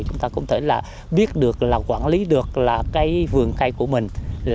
chúng ta cũng thể là biết được là quản lý được là cái vườn cây của mình